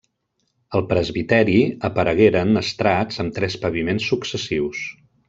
Al presbiteri aparegueren estrats amb tres paviments successius.